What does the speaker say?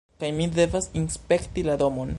kaj mi devas inspekti la domon.